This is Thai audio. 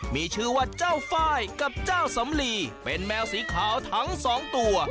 มีชื่อว่าเจ้าไฟล์กับเจ้าสำลีเป็นแมวสีขาวทั้งสองตัว